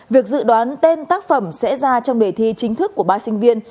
việc dự đoán tên tác phẩm sẽ ra trong đề thi chính thức của ba sinh viên